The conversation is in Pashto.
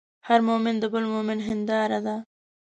هر مؤمن د بل مؤمن هنداره ده.